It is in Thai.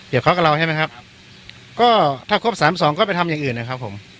เดี๋ยวเขากับเราใช่ไหมครับก็ถ้าครบสามสองก็ไปทำอย่างอื่นนะครับผม